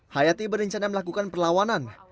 hayati berencana melakukan perlawanan